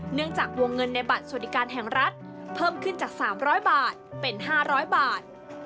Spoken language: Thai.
เนื่องจากวงเงินในบัตรสวัสดิการแห่งรัฐเพิ่มขึ้นจาก๓๐๐บาทเป็น๕๐๐บาท